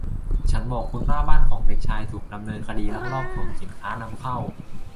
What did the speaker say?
ฉันบอกคุณว่าบ้านของเด็กชาย ถูกดำเนินคดีลักลอบขนสิ้นค้านำเข้า